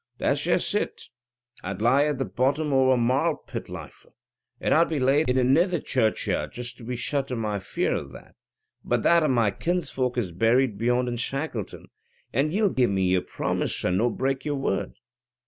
"That's jest it. I'd lie at the bottom o' a marl pit liefer! And I'd be laid in anither churchyard just to be shut o' my fear o' that, but that a' my kinsfolk is buried beyond in Shackleton, and ye'll gie me yer promise, and no break yer word."